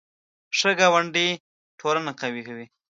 ښه ګاونډي ټولنه قوي کوي